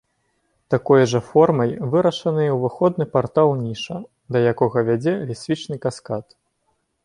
Такой жа формай вырашаны ўваходны партал-ніша, да якога вядзе лесвічны каскад.